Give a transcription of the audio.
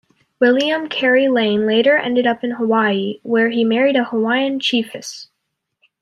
William Carey Lane later ended up in Hawaii where he married a Hawaiian chiefess.